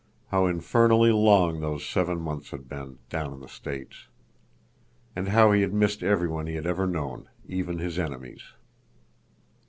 How infernally long those seven months had been, down in the States! And how he had missed everyone he had ever known—even his enemies!